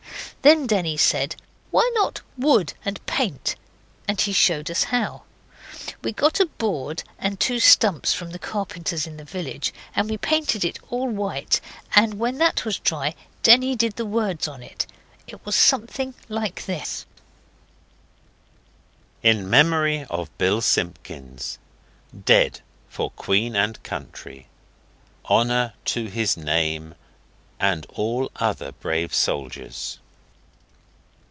Then Denny said, 'Why not wood and paint?' and he showed us how. We got a board and two stumps from the carpenter's in the village, and we painted it all white, and when that was dry Denny did the words on it. It was something like this: 'IN MEMORY OF BILL SIMPKINS DEAD FOR QUEEN AND COUNTRY. HONOUR TO HIS NAME AND ALL OTHER BRAVE SOLDIERS.